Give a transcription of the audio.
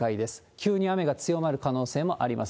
急に雨が強まる可能性もあります。